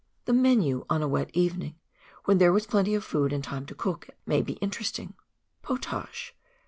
The tnenu on a wet evening when there was plenty of food and time to cook it, may be interesting :— POTAOE.